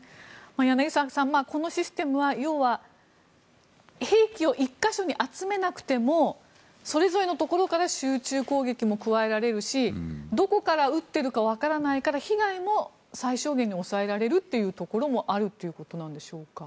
柳澤さん、このシステムは要は兵器を１か所に集めなくてもそれぞれのところから集中攻撃も加えられるしどこから撃っているかわからないから被害も最小限に抑えられるというところもあるということなんでしょうか？